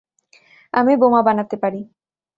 আমি বোমা বানাতে পারি।